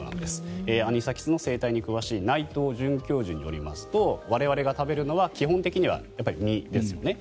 アニサキスの生態に詳しい内藤准教授によりますと我々が食べるのは基本的には身ですよね。